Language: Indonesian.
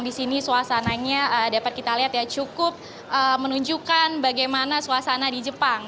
di sini suasananya dapat kita lihat ya cukup menunjukkan bagaimana suasana di jepang